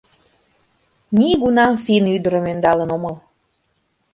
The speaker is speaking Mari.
Нигунам финн ӱдырым ӧндалын омыл.